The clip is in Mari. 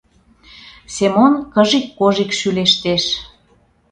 — Семон кыжик-кожик шӱлештеш.